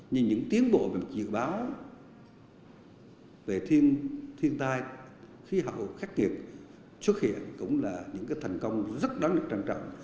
nhưng những tiến bộ về một dự báo về thiên tai khí hậu khắc nghiệt xuất hiện cũng là những thành công rất đáng được trang trọng